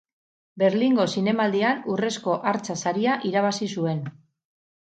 Berlingo Zinemaldian Urrezko Hartza Saria irabazi zuen.